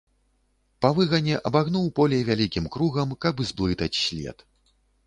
Па выгане абагнуў поле вялікім кругам, каб зблытаць след.